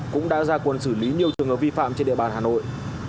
cũng đã ra quân xử lý nhiều trường hợp vi phạm trên địa bàn hà nội